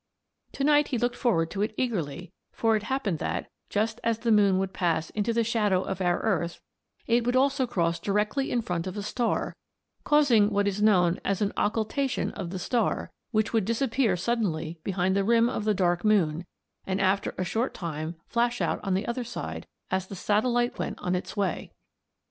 To night he looked forward to it eagerly, for it happened that, just as the moon would pass into the shadow of our earth, it would also cross directly in front of a star, causing what is known as an "occultation" of the star, which would disappear suddenly behind the rim of the dark moon, and after a short time flash out on the other side as the satellite went on its way.